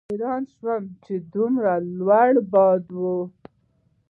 حېران شوم چې دومره لويه ابادي ده